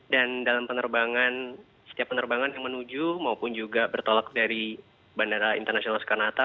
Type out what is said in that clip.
dan dalam penerbangan setiap penerbangan yang menuju maupun juga bertolak dari bandara internasional soekarnata